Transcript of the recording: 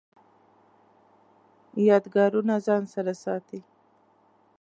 یادګارونه ځان سره ساتئ؟